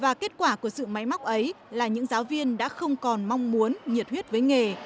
và kết quả của sự máy móc ấy là những giáo viên đã không còn mong muốn nhiệt huyết với nghề